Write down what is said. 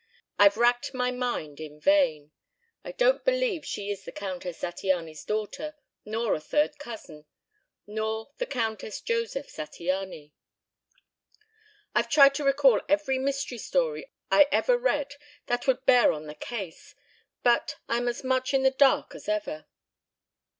I've racked my mind in vain. I don't believe she is the Countess Zattiany's daughter, nor a third cousin, nor the Countess Josef Zattiany. I've tried to recall every mystery story I ever read that would bear on the case, but I'm as much in the dark as ever."